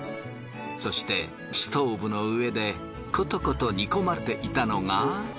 そして薪ストーブの上でコトコト煮込まれていたのが。